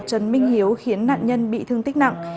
trần minh hiếu khiến nạn nhân bị thương tích nặng